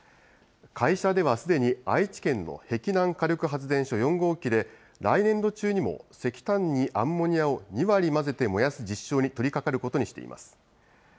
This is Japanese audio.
会社ではすでに愛知県の碧南火力発電所４号機で、来年度中にも石炭にアンモニアを２割混ぜて燃やす実証に取りかかることにしています。